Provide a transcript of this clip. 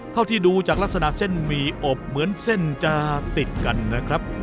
เท่าที่ดูจากลักษณะเส้นหมี่อบเหมือนเส้นจะติดกันนะครับ